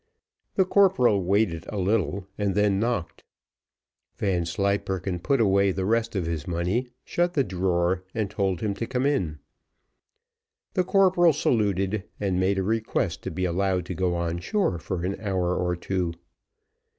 The corporal waited a little, and then knocked. Vanslyperken put away the rest of his money, shut the drawer, and told him to come in. The corporal saluted, and made a request to be allowed to go on shore for an hour or two.